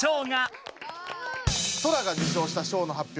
ソラが受賞した賞の発表